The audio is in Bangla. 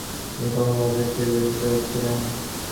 তুমি কখন বাসায় ফিরবে সেটা ভাবছিলাম।